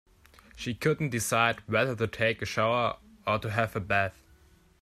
She couldn't decide whether to take a shower or to have a bath.